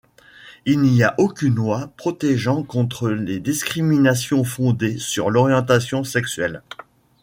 Il n'y a aucune loi protégeant contre les discrimination fondées sur l'orientation sexuelle.